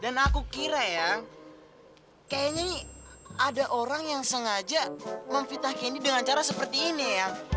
dan aku kira ya kayaknya nih ada orang yang sengaja memfitah kendy dengan cara seperti ini ya